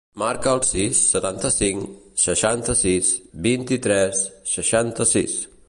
Marca el sis, setanta-cinc, seixanta-sis, vint-i-tres, seixanta-sis.